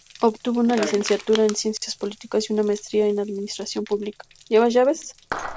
Obtuvo una licenciatura en ciencias políticas y una maestría en administración pública.